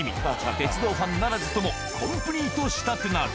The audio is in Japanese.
鉄道ファンならずとも、コンプリートしたくなる。